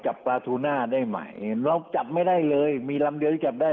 จับปลาทูน่าได้ไหมเราจับไม่ได้เลยมีลำเดียวที่จับได้